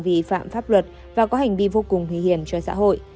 vi phạm pháp luật và có hành vi vô cùng nguy hiểm cho xã hội